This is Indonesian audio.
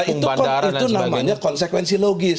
itu namanya konsekuensi logis